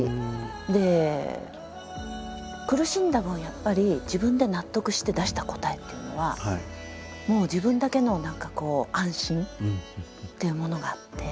で苦しんだ分やっぱり自分で納得して出した答えっていうのはもう自分だけの何かこう安心っていうものがあって。